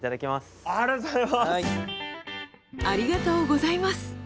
ありがとうございます。